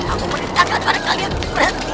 aku mencari para karyawan berhenti